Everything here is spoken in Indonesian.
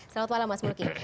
selamat malam mas mulki